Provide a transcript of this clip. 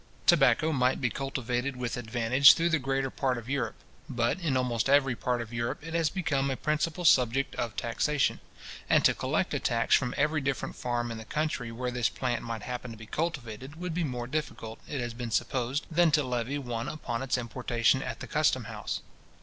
Tobacco might be cultivated with advantage through the greater part of Europe; but, in almost every part of Europe, it has become a principal subject of taxation; and to collect a tax from every different farm in the country where this plant might happen to be cultivated, would be more difficult, it has been supposed, than to levy one upon its importation at the custom house.